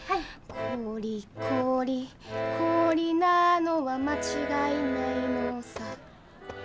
「氷氷氷なのは間違いないのさ」